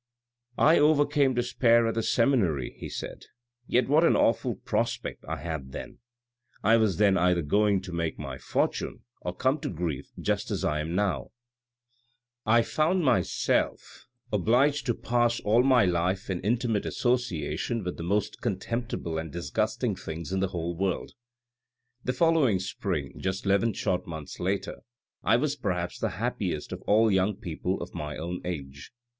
" I overcame despair at the seminary," he said, " yet what an awful prospect I had then. I was then either going to make my fortune or come to grief just as I am now. I found my 426 THE RED AND THE BLACK self obliged to pass all my life in intimate association with the most contemptible and disgusting things in the whole world. The following spring, just eleven short months later, I was perhaps the happiest of all young people of my own age."